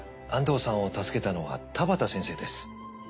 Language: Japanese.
安藤さんを助けたのは田端先生です。